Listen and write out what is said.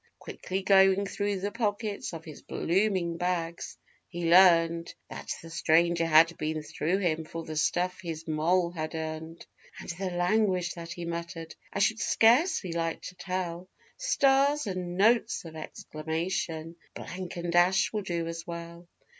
Quickly going through the pockets of his 'bloomin' bags,' he learned That the stranger had been through him for the stuff his 'moll' had earned; And the language that he muttered I should scarcely like to tell (Stars! and notes of exclamation!! blank and dash will do as well).